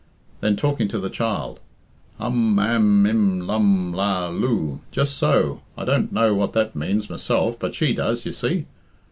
Then talking to the child. "Um am im lum la loo? Just so! I don't know what that means myself, but she does, you see.